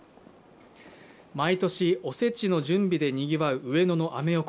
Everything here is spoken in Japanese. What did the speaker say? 毎年お節の準備でにぎわう上野のアメ横。